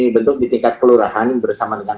bentuk di tingkat kelurahan bersama dengan